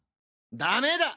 ダメだ！